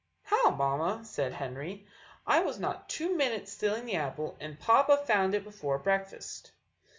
"How, mamma?" said Henry; "I was not two minutes stealing the apple, and papa found it out before breakfast."